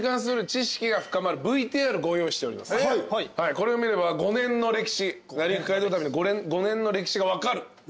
これを見れば５年の歴史『なりゆき街道旅』の５年の歴史が分かる。